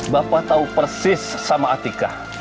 bapak tahu persis sama atika